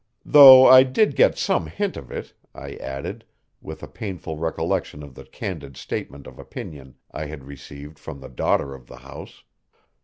"Though I did get some hint of it," I added, with a painful recollection of the candid statement of opinion I had received from the daughter of the house.